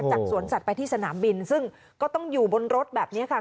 สวนสัตว์ไปที่สนามบินซึ่งก็ต้องอยู่บนรถแบบนี้ค่ะ